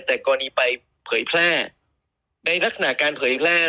แต่กรณีไปเผยแพร่ในลักษณะการเผยแพร่